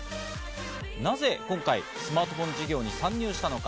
なぜ今回スマートフォン事業に参入したのか？